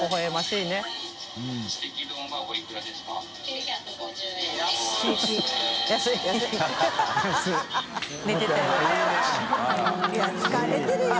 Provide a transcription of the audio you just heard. いや疲れてるよ